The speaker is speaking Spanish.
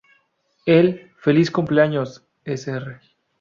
El "Feliz cumpleaños, Sr.